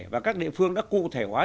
và các địa phương đã cụ thể hóa